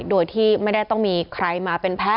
โดยที่ไม่ได้ต้องมีใครมาเป็นแพ้